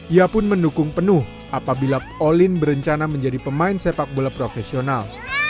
ia pun mendukung penuh apabila olin berencana menjadi pemain sepak bola profesional